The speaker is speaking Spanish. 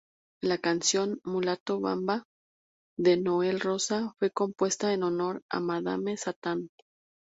La canción "Mulato bamba", de Noel Rosa, fue compuesta en honor a Madame Satán.